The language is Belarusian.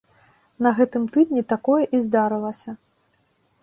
На гэтым тыдні такое і здарылася.